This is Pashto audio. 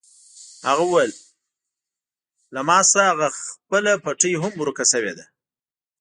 هغه وویل: له ما نه هغه خپله پټۍ هم ورکه شوې ده.